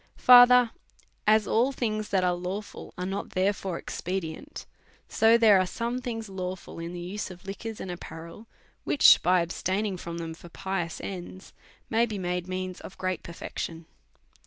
Further, as all things that are lawful are not there fore expedient, so there are some things law fill in the use of liquors and apparel, which by abstaining from them for pious ends may be made means of great per fection.